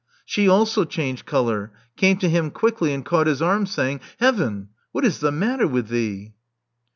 vShe also changed color; came to him quickly; and caught his arm, saying, Heaven! What is the matter with thee?"